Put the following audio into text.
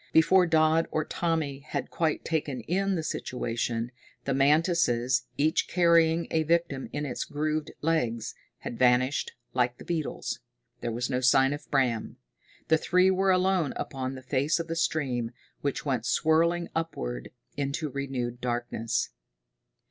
Before Dodd or Tommy had quite taken in the situation, the mantises, each carrying a victim in its grooved legs, had vanished like the beetles. There was no sign of Bram. The three were alone upon the face of the stream, which went swirling upward into renewed darkness.